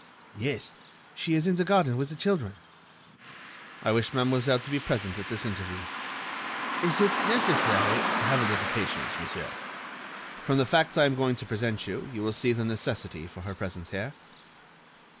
"Yes, she is in the garden with the children." "I wish Mademoiselle to be present at this interview." "Is it necessary——" "Have a little patience, monsieur. From the facts I am going to present to you, you will see the necessity for her presence here."